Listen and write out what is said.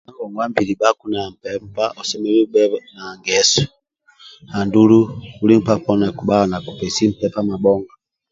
Ka ngongwabili bhaku na mpempa osemelelu obhe na ngeso andulu buli nkpa poni akubhaga nakupesi mpempa amabhonga